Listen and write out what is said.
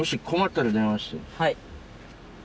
はい。